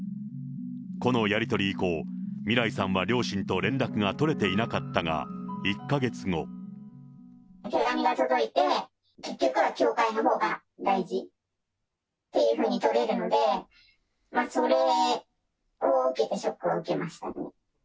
このやり取り以降、みらいさんは両親と連絡が取れていなかったが、手紙が届いて、結局は教会のほうが大事っていうふうに取れるので、それを受けてショックを受けましたね。